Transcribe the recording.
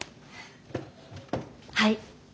はい。